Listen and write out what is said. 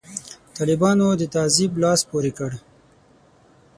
طالبانو د تعذیب لاس پورې کړ.